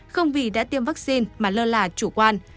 không vì đã tiêm vaccine mà lơ là chủ quan